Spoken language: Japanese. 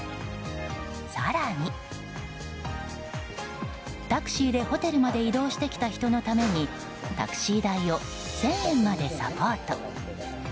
更に、タクシーでホテルまで移動してきた人のためにタクシー代を１０００円までサポート。